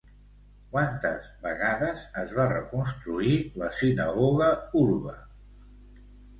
Quantes vegades es va reconstruir la Sinagoga Hurva?